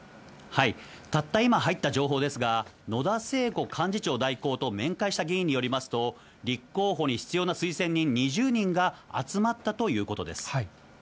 たった今入った情報ですが、野田聖子幹事長代行と面会した議員によりますと、立候補に必要な推薦人２０人が集まったということです。